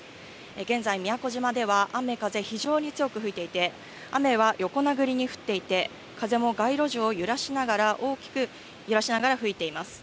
現在、宮古島では雨、風、非常に強く吹いていて、雨は横殴りに降っていて、風も街路樹を大きく揺らしながら吹いています。